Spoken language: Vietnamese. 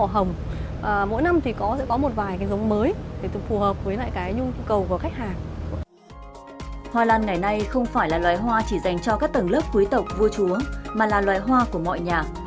hoa lan ngày nay không phải là loài hoa chỉ dành cho các tầng lớp quý tộc vua chúa mà là loài hoa của mọi nhà